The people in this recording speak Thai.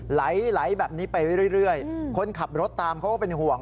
ไหลแบบนี้ไปเรื่อยคนขับรถตามเขาก็เป็นห่วง